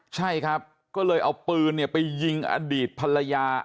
ใช่ครับก็เลยเอาปืนไปยิงอดีตภรรยา